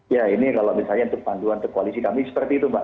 ya ini kalau misalnya untuk panduan ke koalisi kami seperti itu mbak